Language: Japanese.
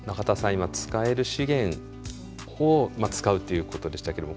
今使える資源を使うっていうことでしたけども。